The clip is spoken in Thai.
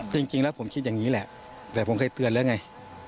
จริงจริงเนี่ยผมคิดอย่างนี้แต่ผมเคยเตือนใส่ไอนี่